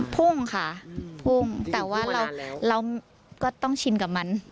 พุ่งค่ะพุ่งแต่ว่าเราก็ต้องชินกับมัน